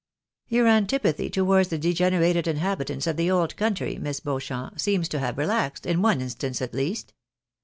" Your antipathy towards the degenerated inhabitants of the old country. Miss Beauchamp, seems to have relaxed, in one instance at least.